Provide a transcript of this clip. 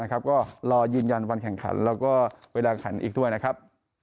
ก็รอยืนยันวันแข่งขันแล้วก็เวลาขันอีกด้วยนะครับ